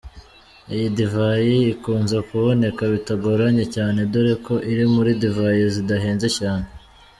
Iyi divayi, ikunze kuboneka bitagoranye cyane dore ko iri muri divayi zidahenze cyane.